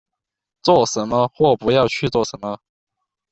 做什么或不要去做什么